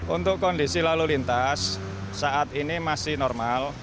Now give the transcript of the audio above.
untuk kondisi lalu lintas saat ini masih normal